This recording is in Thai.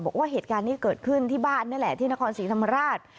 บอกว่าเหตุการณ์นี้เกิดขึ้นที่บ้านนี่แหละที่นครศรีธรรมราช